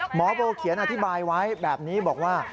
หมอโบเขียนอธิบายไว้แบบนี้บอกว่า